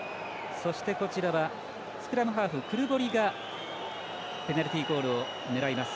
そして、スクラムハーフクルボリがペナルティゴールを狙います。